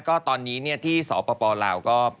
ก็ตอนนี้เนี่ยที่สปลาวก็